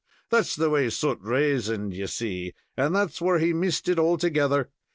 "That's the way Soot rasoned, you see, and that's where he missed it altogether.